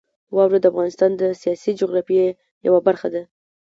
واوره د افغانستان د سیاسي جغرافیې یوه برخه ده.